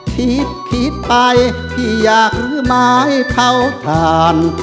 ขีดขีดไปที่อยากหรือไม้เผ่าทาน